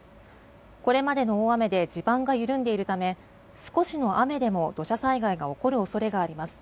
これまでの大雨で地盤が緩んでいるため少しの雨でも土砂災害が起こる恐れがあります。